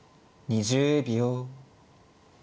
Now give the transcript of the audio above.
２０秒。